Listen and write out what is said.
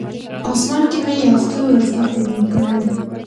آسمان کې مې یو ستوری ستا په نوم کړی!